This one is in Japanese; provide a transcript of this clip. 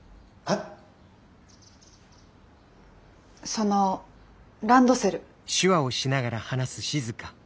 そのランドセル。